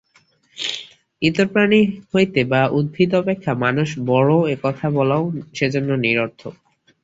ইতর প্রাণী হইতে বা উদ্ভিদ অপেক্ষা মানুষ বড়, এ-কথা বলাও সেজন্য নিরর্থক।